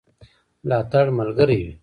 ملاتړ ملګری وي.